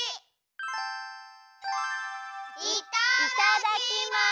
いただきます！